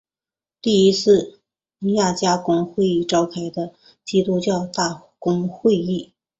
第一次尼西亚公会议召开的基督教大公会议。